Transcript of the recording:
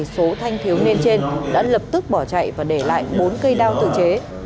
số thanh thiếu niên trên đã lập tức bỏ chạy và để lại bốn cây đao tự chế